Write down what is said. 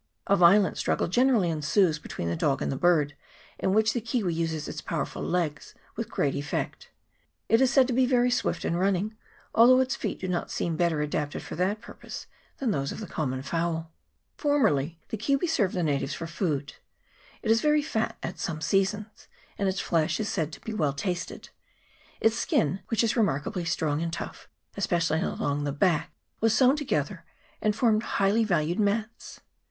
A violent struggle generally ensues between the dog and the bird, in which the kiwi uses its powerful legs with great effect. It is said to be very swift in running, although its feet do not seem better adapted for that purpose than those of the common fowl. CHAP. XIV.] APTERIX AUSTRALIS. 233 Formerly the kiwi served the natives for food ; it is very fat at some seasons, and its flesh is said to be well tasted ; its skin, which is remarkably strong and tough, especially along the back, was sewn together, and formed highly valued mats.